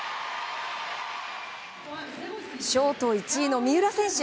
ショート１位の三浦選手